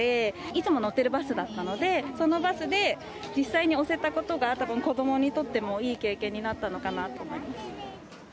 いつも乗ってるバスだったので、そのバスで実際に押せたことが、たぶん子どもにとってもいい経験になったのかなと思います。